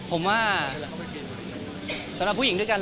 ครับครับครับครับครับครับครับครับครับครับครับครับ